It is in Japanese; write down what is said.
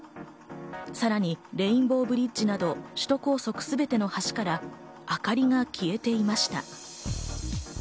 さらにレインボーブリッジなど、首都高速全ての橋から明かりが消えていました。